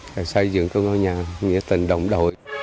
để xây dựng ngôi nhà nghĩa tình đồng đội